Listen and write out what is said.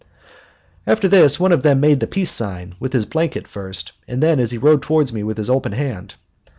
After this one of them made the peace sign, with his blanket first, and then, as he rode toward me, with his open hand.